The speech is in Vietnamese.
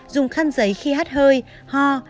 dùng khăn giấy khi hát hơi ho